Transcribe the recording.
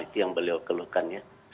itu yang beliau keluhkan ya